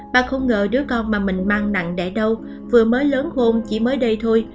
bà không ngờ đứa con mà mình mang nặng để đâu vừa mới lớn hôn chỉ mới đây thôi